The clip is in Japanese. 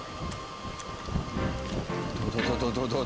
どどどどう？